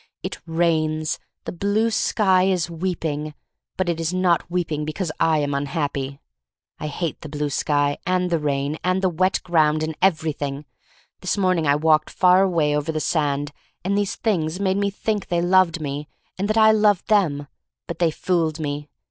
It rains. The blue sky is weeping. But it is not weeping because I am un happy. I hate the blue sky, and the rain, and the wet ground, and everything. This morning I walked far away over the sand, and these things made me think they loved me — and that I loved them. But they fooled me.